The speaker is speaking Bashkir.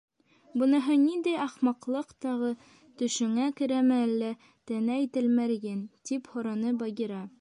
— Быныһы ниндәй ахмаҡлыҡ тағы, төшөңә керәме әллә, Тәнәй Тәлмәрйен? — тип һораны Багира.